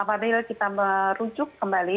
apabila kita merujuk kembali